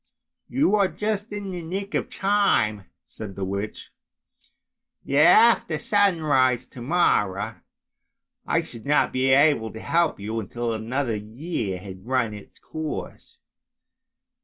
" You are just in the nick of time," said the witch, " after sunrise to morrow I should not be able to help you until another year had run its course.